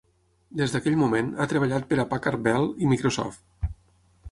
Des d'aquell moment, ha treballat per a Packard Bell i Microsoft.